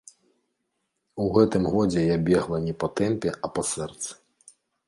У гэтым годзе я бегла не па тэмпе, а па сэрцы.